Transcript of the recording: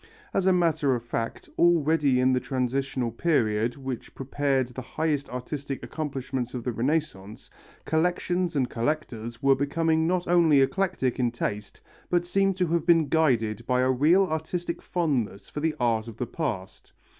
As a matter of fact, already in the transitional period which prepared the highest artistic accomplishment of the Renaissance, collections and collectors were becoming not only eclectic in taste, but seem to have been guided by a real artistic fondness for the art of the past.